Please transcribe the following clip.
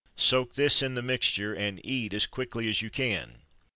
Soak this in the mixture, and eat as quickly as you can.